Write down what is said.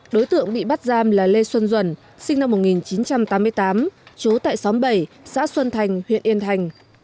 đối tượng bị bắt giam là lê xuân duẩn sinh năm một nghìn chín trăm tám mươi tám trú tại xóm bảy xã xuân thành huyện yên thành